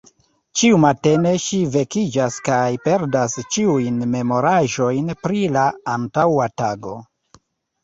Ĉiu matene ŝi vekiĝas kaj perdas ĉiujn memoraĵojn pri la antaŭa tago.